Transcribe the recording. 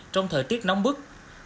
trong thời tiết nóng bức